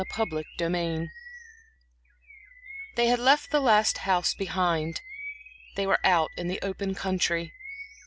Chapter VII They had left the last house behind; they were out in the open country.